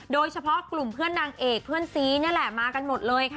โดยเฉพาะกลุ่มเพื่อนนางเอกเพื่อนซีนี่แหละมากันหมดเลยค่ะ